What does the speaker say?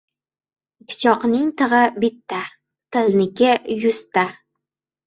• Pichoqning tig‘i bitta, tilniki — yuzta.